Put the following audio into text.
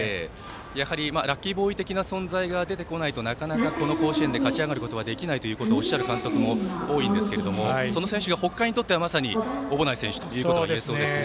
やはりラッキーボーイ的な存在が出てこないとなかなか、この甲子園で勝ち上がることはできないとおっしゃる監督も多いんですがその選手が北海にとってはまさに小保内選手ということは言えそうですね。